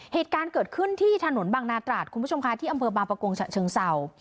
เหตุการณ์เกิดขึ้นที่ถนนบางนาตราดคุณผู้ชมค่ะที่อำเภอบางประกงฉะเชิงเศร้า